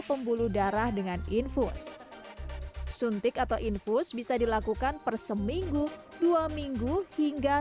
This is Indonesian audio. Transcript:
pembuluh darah dengan infus suntik atau infus bisa dilakukan per seminggu dua minggu hingga